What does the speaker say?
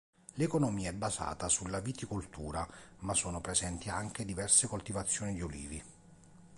L'economia è basata sulla viticoltura ma sono presenti anche diverse coltivazioni di olivi.